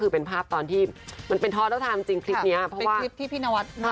เป็นคลิปที่ภิษฐวาร์ทนั่งไลฟ์ไปวนก่อน